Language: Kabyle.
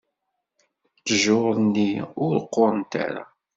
Ttjur-nni ur qqurent ara.